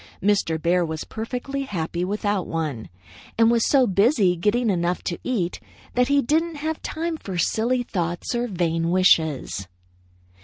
Mr. Bear was perfectly happy without one, and was so busy getting enough to eat that he didn't have time for silly thoughts or vain wishes.